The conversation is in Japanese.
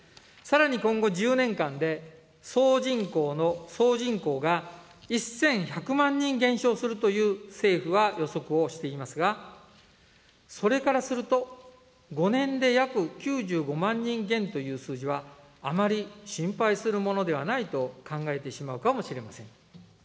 さらに今後１０年間で、総人口の、総人口が１１００万人減少すると政府は予測をしていますが、それからすると、５年で約９５万人減という数字は、あまり心配するものではないと考えてしまうかもしれません。